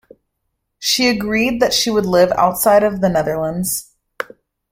She agreed that she would live outside of the Netherlands.